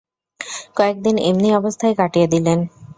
কয়েকদিন এমনি অবস্থায় কাটিয়ে দিলেন।